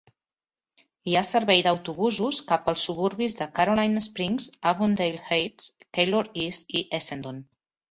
Hi has servei d'autobusos cap als suburbis de Caroline Springs, Avondale Heights, Keilor East i Essendon.